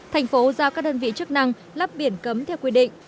thành phố giao các đơn vị chức năng lắp biển cấm theo quy định